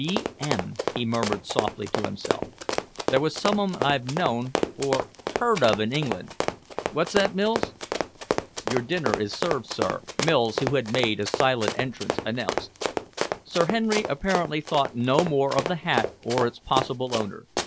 "B. M.," he murmured softly to himself. "There was some one I've known or heard of in England What's that, Mills?" "Your dinner is served, sir," Mills, who had made a silent entrance, announced. Sir Henry apparently thought no more of the hat or its possible owner.